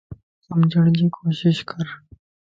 سمجھڙجي ڪوشش ڪر